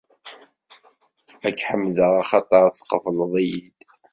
Ad k-ḥemdeɣ axaṭer tqebleḍ-iyi-d.